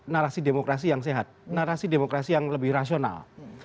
narasi demokrasi yang sehat narasi demokrasi yang lebih rasional